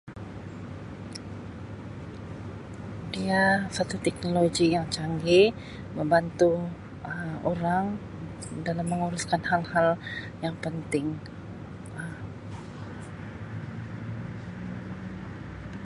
Dia satu teknologi yang canggih membantu Um orang da-dalam menguruskan hal-hal penting Um.